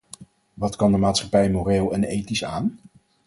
Wat kan de maatschappij moreel en ethisch aan?